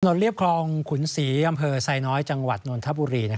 เรียบคลองขุนศรีอำเภอไซน้อยจังหวัดนนทบุรี